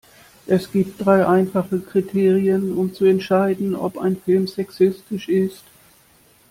Es gibt drei einfache Kriterien, um zu entscheiden, ob ein Film sexistisch ist.